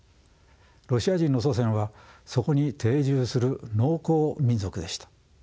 ロシア人の祖先はそこに定住する農耕民族でした。